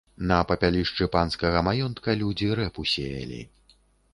На папялішчы панскага маёнтка людзі рэпу сеялі.